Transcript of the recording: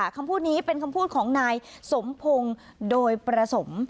คำพูดนี้เป็นคำพูดของนายสมพงศ์โดยประสม